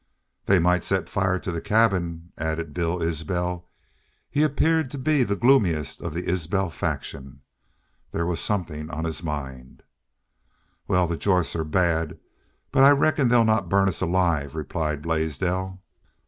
"They might set fire to the cabins," added Bill Isbel. He appeared to be the gloomiest of the Isbel faction. There was something on his mind. "Wal, the Jorths are bad, but I reckon they'd not burn us alive," replied Blaisdell.